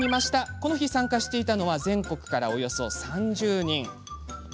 この日、参加していたのは全国からおよそ３０人。